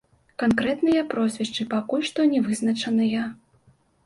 Канкрэтныя прозвішчы пакуль што не вызначаныя.